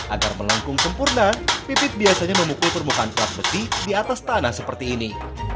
agar melengkung sempurna pipit biasanya memukul permukaan pelat beti di atas tanah seperti ini